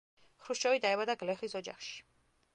ხრუშჩოვი დაიბადა გლეხის ოჯახში.